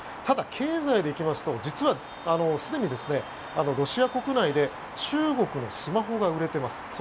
ただ、経済で行きますと実はすでにロシア国内で中国のスマホが売れてます。